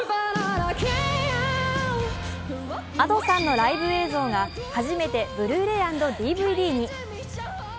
Ａｄｏさんのライブ映像が初めてブルーレイ＆ＤＶＤに。